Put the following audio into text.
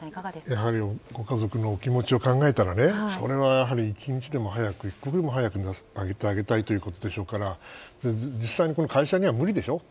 やはりご家族のお気持ちを考えたら、１日でも一刻でも早く揚げてあげたいということでしょうからでも実際には無理でしょう。